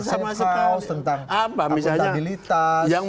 tentang safe house tentang apabilitas